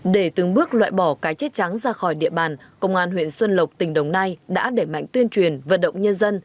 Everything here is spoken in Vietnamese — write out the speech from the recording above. để từng bước loại bỏ cái chết trắng ra khỏi địa bàn công an huyện xuân lộc tỉnh đồng nai đã đẩy mạnh tuyên truyền vận động nhân dân